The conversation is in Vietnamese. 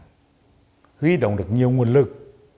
ghi động được nhiều nguồn lực